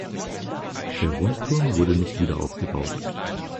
Der Rundturm wurde nicht wieder aufgebaut.